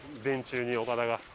電柱におか田が。